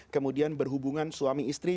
kemudian berhubungan suami istri